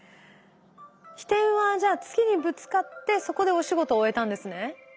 ひてんはじゃあ月にぶつかってそこでお仕事を終えたんですね。